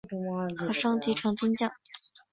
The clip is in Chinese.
可升级成金将。